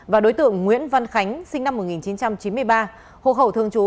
và đối tượng nguyễn văn khánh sinh năm một nghìn chín trăm chín mươi ba hộ khẩu thường trú